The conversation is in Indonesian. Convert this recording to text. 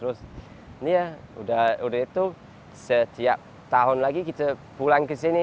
udah itu setiap tahun lagi kita pulang ke sini